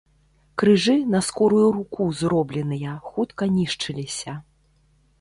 Крыжы, на скорую руку зробленыя, хутка нішчыліся.